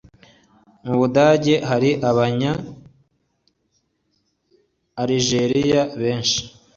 Mu Budage hari Abanya Alijeriya benshi?